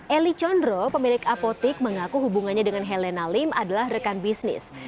eli conro pemilik apotek mengaku hubungannya dengan helen nalim adalah rekan bisnis